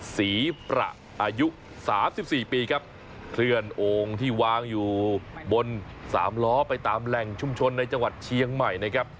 ศรีประอายุสามสิบสี่ปีครับเคลื่อนโอ่งที่วางอยู่บนสามล้อไปตามแหล่งชุมชนในจังหวัดเชียงใหม่นะครับ